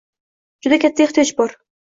Juda katta ehtiyoj bor